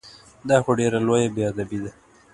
دا خو ډېره لویه بې ادبي ده!